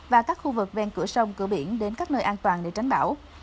và các khu vực ven cửa sông cửa biển đến các nơi an toàn để tránh bão